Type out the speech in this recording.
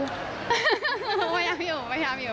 กูพยายามอยู่พยายามอยู่